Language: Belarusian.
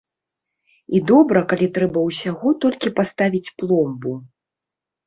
І добра, калі трэба ўсяго толькі паставіць пломбу.